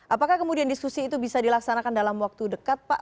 apakah kemudian diskusi itu bisa dilaksanakan dalam waktu dekat pak